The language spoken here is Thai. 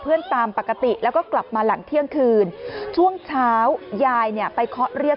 ตามปกติแล้วก็กลับมาหลังเที่ยงคืนช่วงเช้ายายเนี่ยไปเคาะเรียก